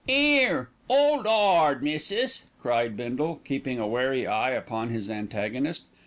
"'Ere, old 'ard, missis," cried Bindle, keeping a wary eye upon his antagonist.